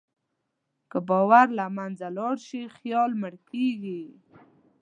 که باور له منځه لاړ شي، خیال مړ کېږي.